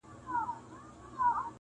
تا ته به ډلي په موسکا د سهیلیو راځي-